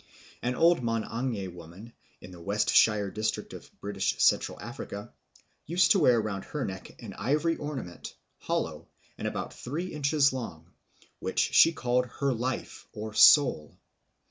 An old Mang'anje woman in the West Shire district of British Central Africa used to wear round her neck an ivory ornament, hollow, and about three inches long, which she called her life or soul.